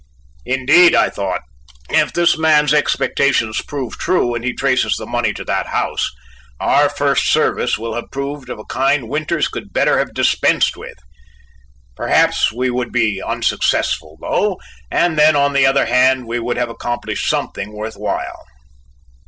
Indeed, I thought, if this man's expectations prove true and he traces the money to that house, our first service will have proved of a kind Winters could better have dispensed with. Perhaps we would be unsuccessful, though, and then on the other hand we would have accomplished something worth while.